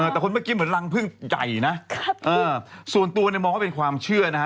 แต่คนเมื่อกี้เหมือนรังพึ่งใหญ่นะส่วนตัวเนี่ยมองว่าเป็นความเชื่อนะฮะ